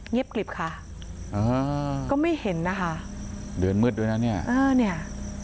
กลิบค่ะอ่าก็ไม่เห็นนะคะเดือนมืดด้วยนะเนี่ยเออเนี่ย